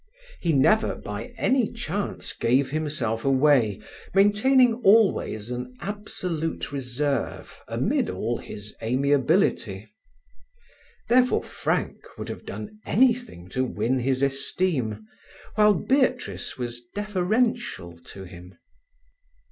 He never, by any chance, gave himself away, maintaining always an absolute reserve amid all his amiability. Therefore Frank would have done anything to win his esteem, while Beatrice was deferential to him.